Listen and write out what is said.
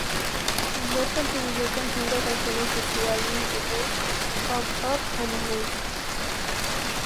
Webb contribuyó con cinco canciones de su álbum debut "Up, Up and Away".